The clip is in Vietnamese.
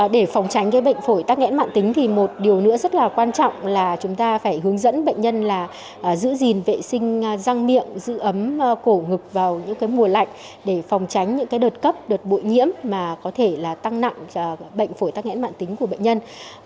để phòng tránh bệnh phổi tắc nghẽn mạng tính thì một điều nữa rất là quan trọng là chúng ta phải hướng dẫn bệnh nhân là giữ gìn vệ sinh răng miệng giữ ấm cổ ngực vào những mùa lạnh để phòng tránh những đợt cấp đợt bụi nhiễm mà có thể là tăng nặng bệnh phổi tắc nghẽn mạng tính của bệnh nhân